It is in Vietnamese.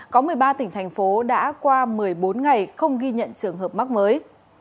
có một mươi ba tỉnh thành phố đã qua một mươi bốn ngày không ghi nhận trường hợp mắc mới